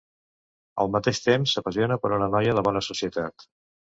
Al mateix temps, s'apassiona per una noia de la bona societat.